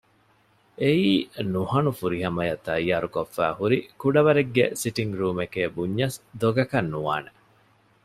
އެއީ ނުހަނު ފުރިހަމައަށް ތައްޔާރުކޮށްފައި ހުރި ކުޑަވަރެއްގެ ސިޓިންގރޫމެކޭ ބުންޏަސް ދޮގަކަށް ނުވާނެ